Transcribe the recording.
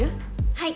はい！